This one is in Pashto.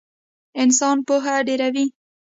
انسان پوهه ډېروي